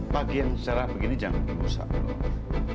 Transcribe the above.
pagi yang secara begini jangan lagi rusak